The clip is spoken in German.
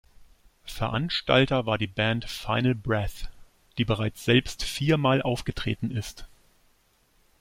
Veranstalter war die Band Final Breath, die bereits selbst viermal aufgetreten ist.